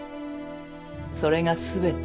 それが全て。